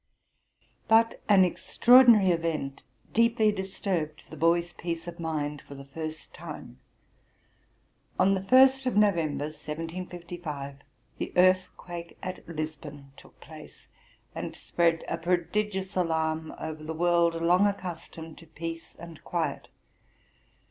But an extraordinary event deeply disturbed the boy's peace of mind for the first time. On the Ist of November, 1755, the earthquake at Lisbon took place, and spread a prodigious alarm over the world, long accustomed to peace and quiet.